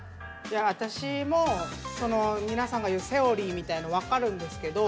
私も皆さんが言うセオリーみたいのわかるんですけど。